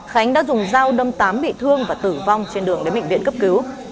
khánh đã dùng dao đâm tám bị thương và tử vong trên đường đến bệnh viện cấp cứu